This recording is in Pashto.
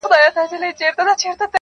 د کوترو د چوغکو فریادونه-